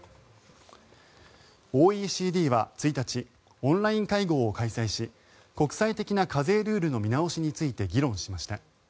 ＯＥＣＤは１日オンライン会合を開催し国際的な課税ルールの見直しについて議論しました。